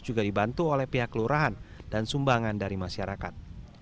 juga dibantu oleh pihak lurahan dan sumbangan dari masyarakat